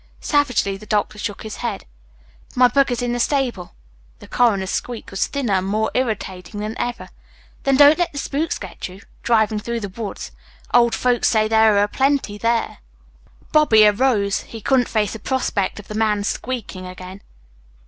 Savagely the doctor shook his head. "My buggy's in the stable." The coroner's squeak was thinner, more irritating than ever. "Then don't let the spooks get you, driving through the woods. Old folks say there are a plenty there." Bobby arose. He couldn't face the prospect of the man's squeaking again.